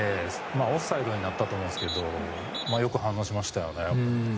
オフサイドになったと思いますがよく反応しましたよね。